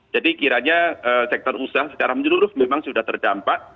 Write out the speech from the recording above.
jadi kiranya sektor usaha secara menyeluruh memang sudah terdampak